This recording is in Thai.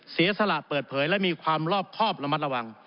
เสียสละเปิดเผยและมีความรอบครอบระมัดระวัง